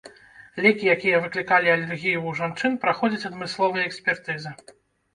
Лекі, якія выклікалі алергію ў жанчын, праходзяць адмысловыя экспертызы.